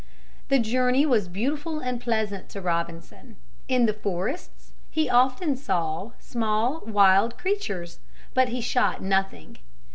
The journey was beautiful and pleasant to Robinson. In the forests he often saw small wild creatures, but he shot nothing.